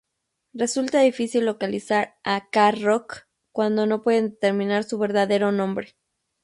Resulta difícil localizar a K-Roc cuando no pueden determinar su verdadero nombre.